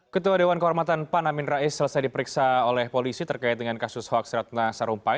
ketua dewan kehormatan pan amin rais selesai diperiksa oleh polisi terkait dengan kasus hoaks ratna sarumpait